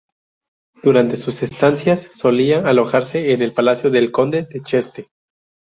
Durante sus estancias solía alojarse en el Palacio del Conde de Cheste.